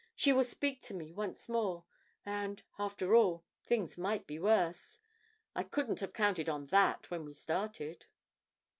She will speak to me once more, and, after all, things might be worse. I couldn't have counted on that when we started.'